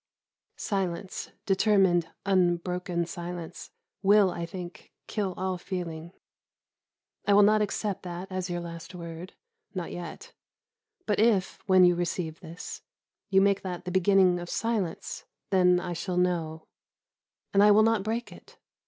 Silence, determined, unbroken silence, will, I think, kill all feeling. I will not accept that as your last word, not yet; but if, when you receive this, you make that the beginning of silence, then I shall know, and I will not break it.